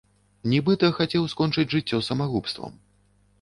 Нібыта хацеў скончыць жыццё самагубствам.